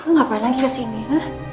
ngapain lagi kesini ya